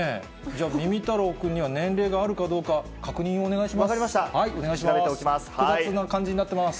じゃあ、みみたろう君には年齢があるかどうか、確認をお願いします。